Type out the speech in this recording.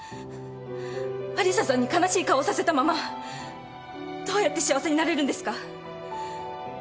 有沙さんに悲しい顔をさせたままどうやって幸せになれるんですか？